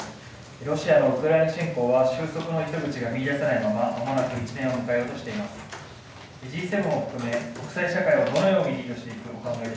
ロシアのウクライナ侵攻は収束の糸口が見いだせないまま、まもなく１年を迎えようとしています。